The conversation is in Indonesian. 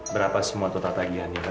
berapa semua tata tagihan iba